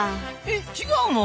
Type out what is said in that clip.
えっ違うの？